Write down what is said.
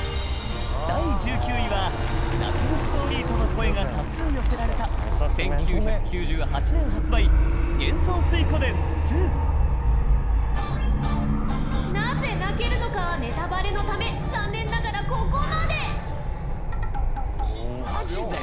第１９位は「泣けるストーリー」との声が多数寄せられた１９９８年発売『幻想水滸伝２』なぜ泣けるのかはネタバレのため残念ながら、ここまで太田：マジで？